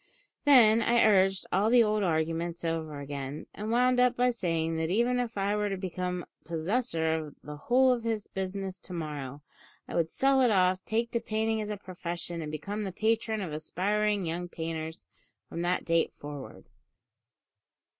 Then I urged all the old arguments over again, and wound up by saying that even if I were to become possessor of the whole of his business to morrow, I would sell it off, take to painting as a profession, and become the patron of aspiring young painters from that date forward!